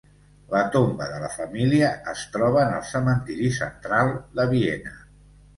La tomba de la família es troba en el cementiri central de Viena.